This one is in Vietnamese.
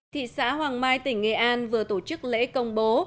thị xã hoàng mai tỉnh nghệ an vừa tổ chức lễ công bố